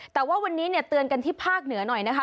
แต่ว่าวันนี้เนี่ยเตือนกันที่ภาคเหนือหน่อยนะคะ